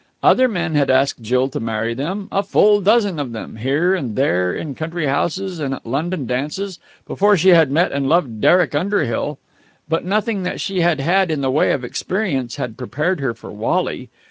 Other men had asked Jill to marry them a full dozen of them, here and there in country houses and at London dances, before she had met and loved Derek Underhill; but nothing that she had had in the way of experience had prepared her for Wally.